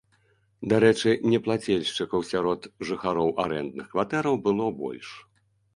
Дарэчы, неплацельшчыкаў сярод жыхароў арэндных кватэраў было больш.